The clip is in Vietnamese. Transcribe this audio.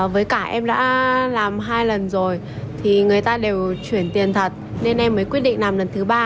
với cả em đã làm hai lần rồi thì người ta đều chuyển tiền thật nên em mới quyết định làm lần thứ ba